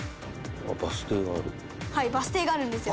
「はいバス停があるんですよ」